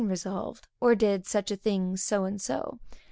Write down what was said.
resolved, or did such a thing so and so_.